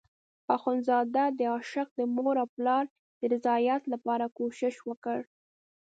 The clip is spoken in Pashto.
اخندزاده د عاشق د مور او پلار د رضایت لپاره کوشش وکړ.